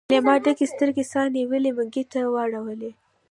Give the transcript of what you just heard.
ليلما ډکې سترګې سا نيولي منګلي ته واړولې.